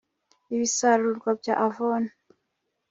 Ibisarurwa bya Avon